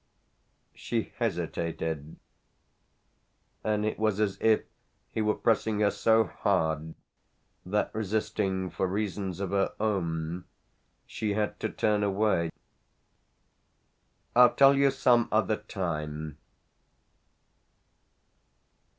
She hesitated, and it was as if he were pressing her so hard that, resisting for reasons of her own, she had to turn away. "I'll tell you some other time!"